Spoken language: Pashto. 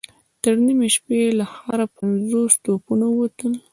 تر نيمې شپې له ښاره پنځوس توپونه ووتل.